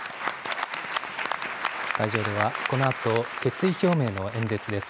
会場ではこのあと、決意表明の演説です。